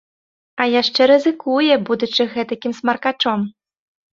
А яшчэ рызыкуе, будучы гэтакім смаркачом.